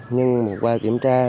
nhưng qua kiểm tra